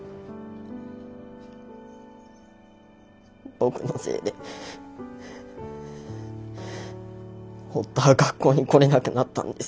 僕のせいで堀田は学校に来れなくなったんです。